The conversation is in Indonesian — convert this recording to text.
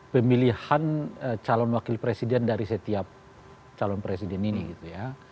pemilihan calon wakil presiden dari setiap calon presiden ini gitu ya